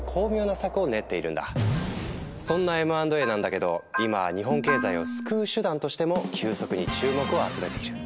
そんなＭ＆Ａなんだけど今日本経済を救う手段としても急速に注目を集めている。